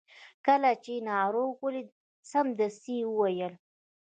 کله چې یې ناروغ ولید سمدستي یې وویل.